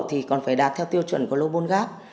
thì còn phải đạt theo tiêu chuẩn global gap